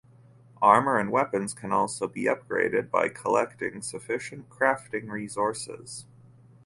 Armor and weapons can also be upgraded by collecting sufficient crafting resources.